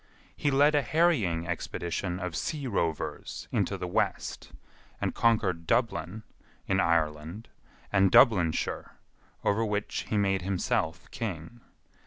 He led a harrying expedition of sea rovers into the west, and conquered Dublin, in Ireland, and Dublinshire, over which he made himself king.